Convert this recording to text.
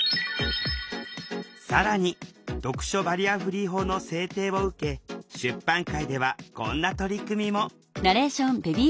更に読書バリアフリー法の制定を受け出版界ではこんな取り組みも。